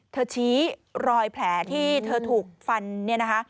ชี้รอยแผลที่เธอถูกฟันเนี่ยนะคะ